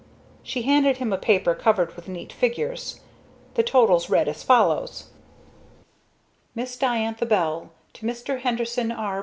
She handed him a paper covered with neat figures. The totals read as follows: Miss Diantha Bell, To Mr. Henderson R.